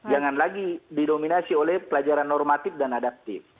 jangan lagi didominasi oleh pelajaran normatif dan adaptif